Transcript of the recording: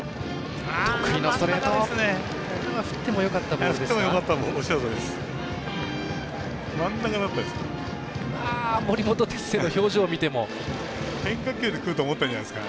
振ってもよかったボールです。